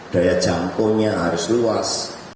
daya jangkauannya harus luas